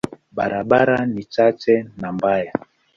Barabara ni chache na mbaya.